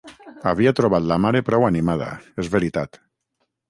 Havia trobat la mare prou animada, és veritat.